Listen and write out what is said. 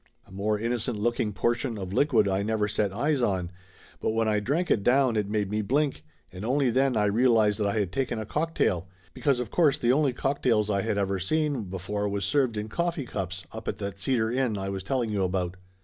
A more innocent looking portion of liquid I never set eyes on, but when I drank it down it made me blink, and only then I realized that I had taken a cocktail; because of course the only cocktails I had ever seen before was served in coffee cups up at that Cedar Inn I was telling you about.